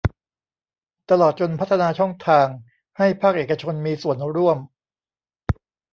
ตลอดจนพัฒนาช่องทางให้ภาคเอกชนมีส่วนร่วม